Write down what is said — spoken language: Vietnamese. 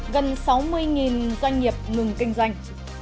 gần sáu mươi doanh nghiệp ngừng kinh doanh